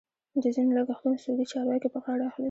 د ځینو لګښتونه سعودي چارواکي په غاړه اخلي.